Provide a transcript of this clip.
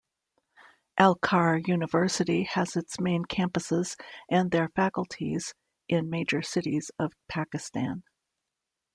Al-Khair University has its main campuses and their faculties in major cities of Pakistan.